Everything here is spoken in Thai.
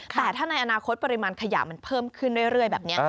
แต่ถ้าในอนาคตปริมาณขยะมันเพิ่มขึ้นเรื่อยแบบนี้